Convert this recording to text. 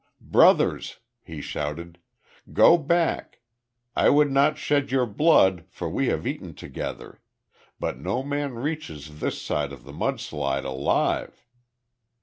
"Brothers," he shouted. "Go back. I would not shed your blood, for we have eaten together. But no man reaches this side of the mud slide alive."